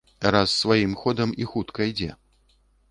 Раз сваім ходам і хутка ідзе.